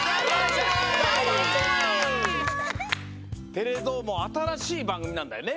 「テレどーも！」はあたらしいばんぐみなんだよね？